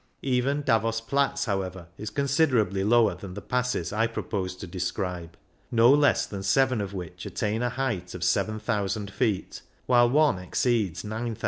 Even Davos Platz, however, is considerably lower than the passes I pro pose to describe, no less than seven of which attain a height of 7,000 feet, while one exceeds 9,000.